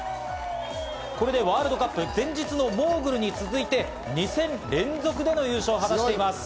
これでワールドカップ、前日のモーグルに続いて２戦連続での優勝を果たしています。